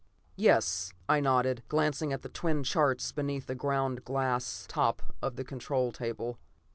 "Yes," I nodded, glancing at the twin charts beneath the ground glass top of the control table.